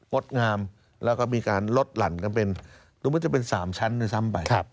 งดงามแล้วก็มีการลดหลั่นกันเป็นตรงนี้จะเป็นสามชั้นทั้งซ้ำไปครับ